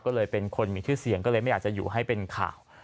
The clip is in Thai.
ก็เลยเป็นคนมีชื่อเสียงก็เลยไม่อยากจะอยู่ให้เป็นข่าว